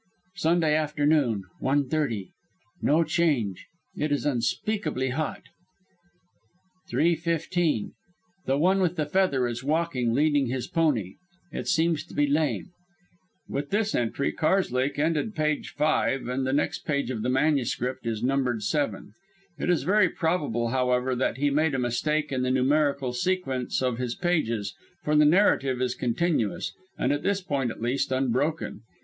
"Sunday afternoon, one thirty. No change. It is unspeakably hot. "Three fifteen. The One with the Feather is walking, leading his pony. It seems to be lame." [_With this entry Karslake ended page five, and the next page of the manuscript is numbered seven. It is very probable, however, that he made a mistake in the numerical sequence of his pages, for the narrative is continuous, and, at this point at least, unbroken.